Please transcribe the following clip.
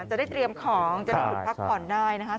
จะได้เตรียมของจะได้หยุดพักผ่อนได้นะคะ